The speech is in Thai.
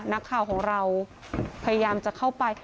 นักข่าวของเราพยายามจะเข้าไป